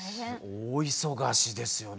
大忙しですよね。